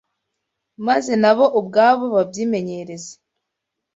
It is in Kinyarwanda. maze na bo ubwabo babyimenyereze